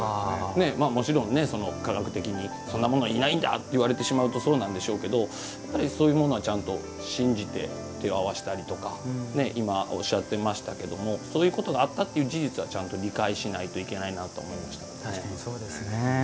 もちろん科学的にそんなものいないんだって言われてしまうとそうなんでしょうけどそういうものは、ちゃんと信じて手を合わせたりとか今、おっしゃってましたけどそういうことがあったという事実は、ちゃんと理解しないといけないなと思いましたね。